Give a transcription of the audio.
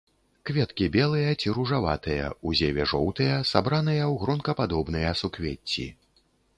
Кветкі белыя ці ружаватыя, у зеве жоўтыя, сабраныя ў гронкападобныя суквецці.